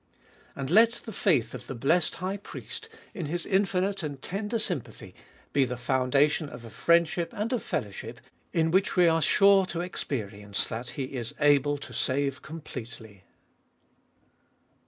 And let the faith of the 170 abe iboltest of blessed High Priest in His infinite and tender sympathy be the foundation of a friendship and a fellowship in which we are sure to experience that He is able to save completely.